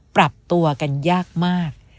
ปรับตัวกันยากมาก